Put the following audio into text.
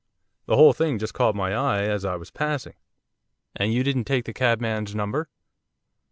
The whole thing just caught my eye as I was passing.' 'And you didn't take the cabman's number?